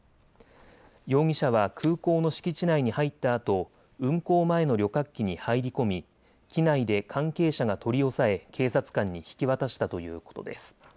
容疑者は空港の敷地内に入ったあと運航前の旅客機に入り込み機内で関係者が取り押さえ警察官に引き渡したということです。